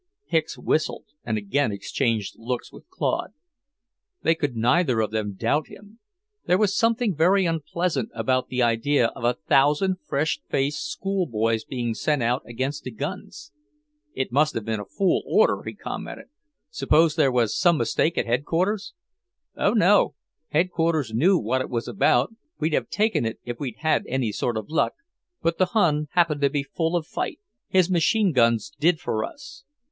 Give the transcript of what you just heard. Hicks whistled and again exchanged looks with Claude. They could neither of them doubt him. There was something very unpleasant about the idea of a thousand fresh faced schoolboys being sent out against the guns. "It must have been a fool order," he commented. "Suppose there was some mistake at Headquarters?" "Oh, no, Headquarters knew what it was about! We'd have taken it, if we'd had any sort of luck. But the Hun happened to be full of fight. His machine guns did for us."